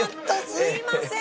すいません。